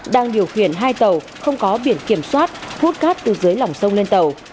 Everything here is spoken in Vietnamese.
đang điều khiển hai tàu không có biển kiểm soát hút cát từ dưới lòng sông lên tàu